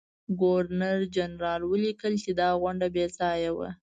ګورنرجنرال ولیکل چې دا غونډه بې ځایه وه.